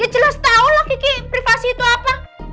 ya jelas tau lah kiki privasi itu apa